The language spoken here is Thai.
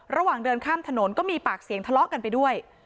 ระหว่างเดินข้ามถนนก็มีปากเสียงทะเลาะกันไปด้วย